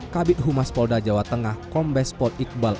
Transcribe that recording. kabit humas polda jawa tengah kombes pot iqbal